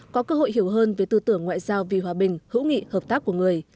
có cơ hội hiểu hơn về tư tưởng ngoại giao vì hòa bình hữu nghị hợp tác của người